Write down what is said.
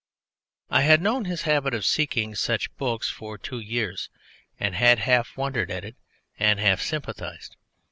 I had known his habit of seeking such books for two years, and had half wondered at it and half sympathised.